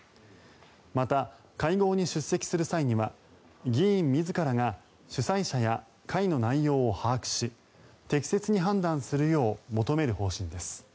また、会合に出席する際には議員自らが主催者や会の内容を把握し適切に判断するよう求める方針です。